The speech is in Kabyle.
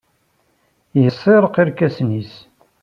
Yessirreq irkasen-nnes.